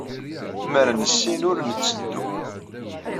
Mer nessin, ur netteddu.